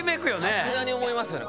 さすがに思いますよね